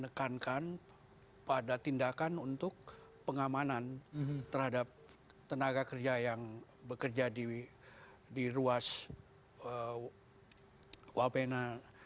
menekankan pada tindakan untuk pengamanan terhadap tenaga kerja yang bekerja di ruas wapena